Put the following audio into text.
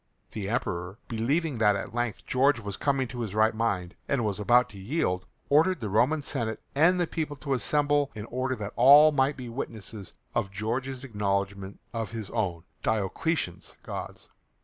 The Emperor, believing that at length George was coming to his right mind, and was about to yield, ordered the Roman Senate and people to assemble in order that all might be witnesses of George's acknowledgement of his own, Diocletian's, gods.